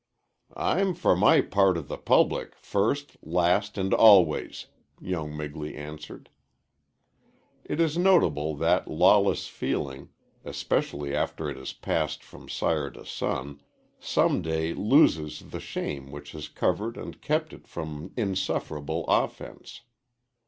"I'm for my part of the public, first, last, and always," young Migley answered. It is notable that lawless feeling especially after it has passed from sire to son some day loses the shame which has covered and kept it from insufferable offence.